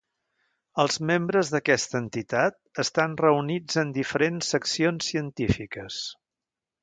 Els membres d'aquesta entitat estan reunits en diferents Seccions Científiques.